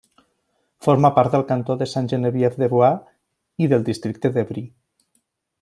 Forma part del cantó de Sainte-Geneviève-des-Bois i del districte d'Évry.